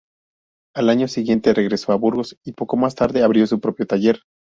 Al año siguiente regresó a Burgos y poco más tarde abrió su propio taller.